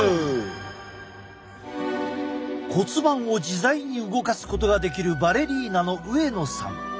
骨盤を自在に動かすことができるバレリーナの上野さん。